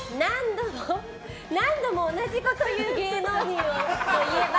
何度も同じことを言う芸能人といえば？